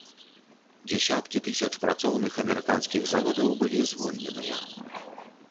Дзесяткі тысяч працоўных амерыканскіх заводаў былі звольненыя.